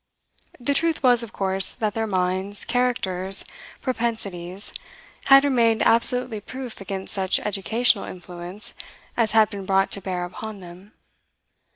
The truth was, of course, that their minds, characters, propensities had remained absolutely proof against such educational influence as had been brought to bear upon them.